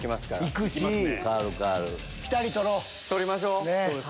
取りましょう。